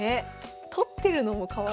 取ってるのもかわいいし。